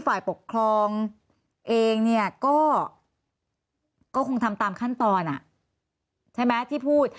ฝ่ายปกครองเองเนี่ยก็คงทำตามขั้นตอนใช่ไหมที่พูด